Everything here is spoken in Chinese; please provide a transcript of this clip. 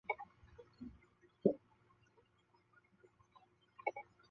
伊万诺夫最具争议的研究在于他的人与其他灵长类动物的杂交试验研究。